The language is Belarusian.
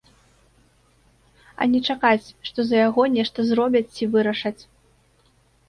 А не чакаць, што за яго нешта зробяць ці вырашаць.